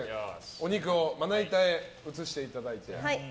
お肉をまな板へ移していただいて。